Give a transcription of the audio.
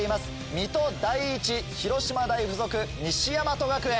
水戸第一広島大附属西大和学園。